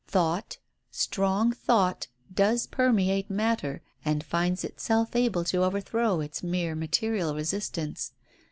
Thought, strong thought, does permeate matter and finds itself able to overthrow its mere material resist ance.